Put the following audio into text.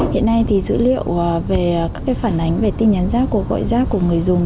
hiện nay dữ liệu về các phản ánh về tin nhắn giác cuộc gọi giác của người dùng